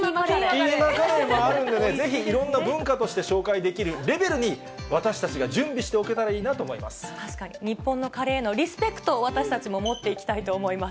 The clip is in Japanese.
キーマカレーもあるんでね、ぜひいろんな文化として紹介できるレベルに、私たちが準備してお確かに、日本のカレーへのリスペクトを私たちも持っていきたいと思います。